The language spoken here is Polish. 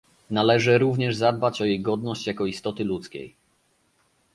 Należy również zadbać o jej godność jako istoty ludzkiej